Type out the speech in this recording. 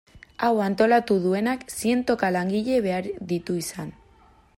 Hau antolatu duenak zientoka langile behar ditu izan.